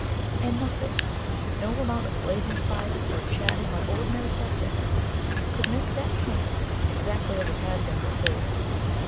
And nothing no amount of blazing fire, or chatting on ordinary subjects could make that camp exactly as it had been before.